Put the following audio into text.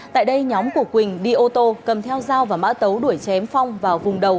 tại đây nhóm của quỳnh đi ô tô cầm theo dao và mã tấu đuổi chém phong vào vùng đầu